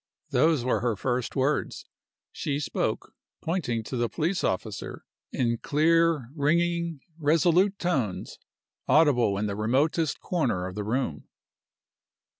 Those were her first words. She spoke (pointing to the police officer) in clear, ringing, resolute tones, audible in the remotest corner of the room.